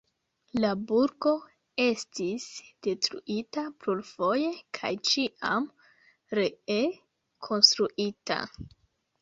La burgo estis detruita plurfoje kaj ĉiam ree konstruita.